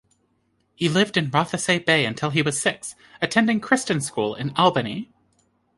He lived in Rothesay Bay until he was six, attending Kristin School in Albany.